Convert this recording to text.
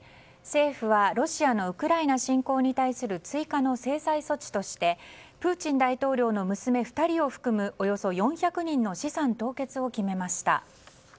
政府はロシアのウクライナ侵攻に対する追加の制裁措置としてプーチン大統領の娘２人を含むおよそ４００人の資産凍結を決めました。